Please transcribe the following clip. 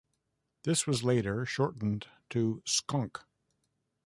This was later shortened to "Skonk".